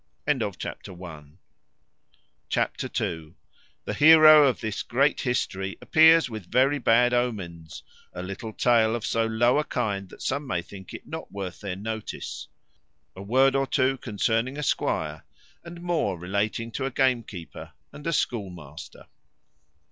Chapter ii. The heroe of this great history appears with very bad omens. A little tale of so LOW a kind that some may think it not worth their notice. A word or two concerning a squire, and more relating to a gamekeeper and a schoolmaster.